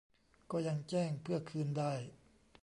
ก็ยังแจ้งเพื่อคืนได้